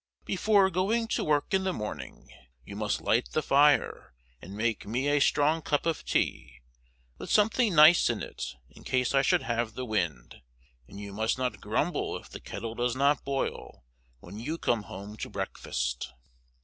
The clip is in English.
Before going to work in the morning, you must light the fire and make me a strong cup of tea, with something nice in it in case I should have the wind, and you must not grumble if the kettle does not boil when you come home to breakfast.